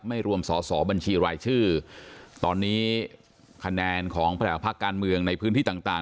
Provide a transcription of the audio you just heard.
ไม่รวมสอสอบัญชีรายชื่อตอนนี้คะแนนของภาคการเมืองในพื้นที่ต่างต่าง